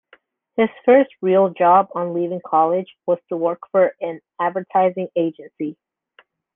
His first real job on leaving college was to work for an advertising agency.